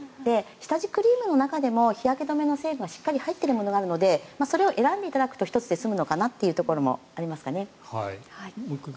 下地クリームの中でも日焼け止めの成分がしっかり入っているものがあるのでそれを選んでいただくと１つで済むのかなというのもありますね。